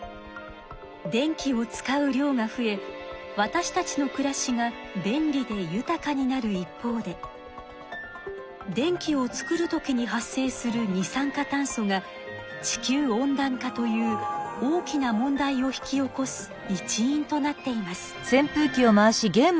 電気を使う量が増えわたしたちのくらしが便利で豊かになる一方で電気を作るときに発生する二酸化炭素が地球温暖化という大きな問題を引き起こす一因となっています。